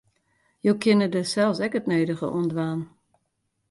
Jo kinne dêr sels ek it nedige oan dwaan.